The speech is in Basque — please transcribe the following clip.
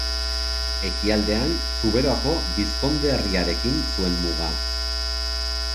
Ekialdean Zuberoako bizkonderriarekin zuen muga.